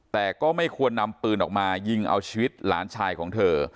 แต่ก็ไม่ควรนำปืนออกมายิงเอาชีวิตหลานชายของเธอ